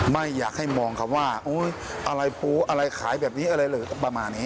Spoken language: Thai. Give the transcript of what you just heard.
ไม่อยากให้มองคำว่าอุ๊ยอะไรโป๋อะไรขายแบบนี้อะไรแบบนี้